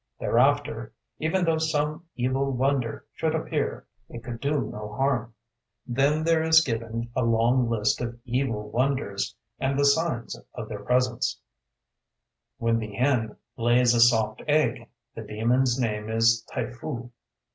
Thereafter, even though some evil Wonder should appear, it could do no harm.'" Then there is given a long list of evil Wonders, and the signs of their presence: "When the Hen lays a soft egg, the demon's name is Taifu.